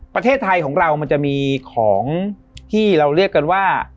ประเทศไทยของเรามันจะมีของที่เราเรียกกันว่า